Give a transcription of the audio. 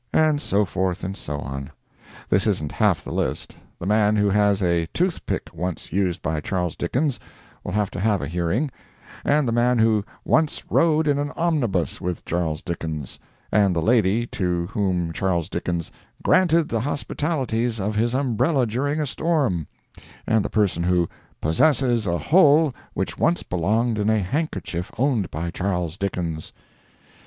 And so forth, and so on. This isn't half the list. The man who has a "Toothpick once used by Charles Dickens" will have to have a hearing; and the man who "once rode in an omnibus with Charles Dickens;" and the lady to whom Charles Dickens "granted the hospitalities of his umbrella during a storm;" and the person who "possesses a hole which once belonged in a handkerchief owned by Charles Dickens."